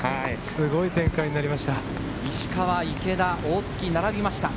すごい展開になりました。